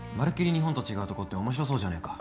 日本と違うとこって面白そうじゃねえか。